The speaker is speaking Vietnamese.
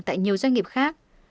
tại nhiều doanh nghiệp khác